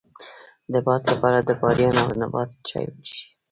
د باد لپاره د بادیان او نبات چای وڅښئ